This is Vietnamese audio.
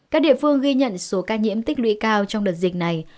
các địa phương ghi nhận số ca nhiễm tích lũy cao trong đợt dịch này